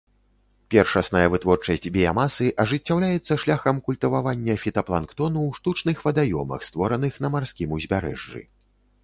Першасная вытворчасць біямасы ажыццяўляецца шляхам культывавання фітапланктону ў штучных вадаёмах, створаных на марскім узбярэжжы.